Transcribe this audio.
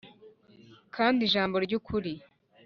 Mu mwaka wa karindwi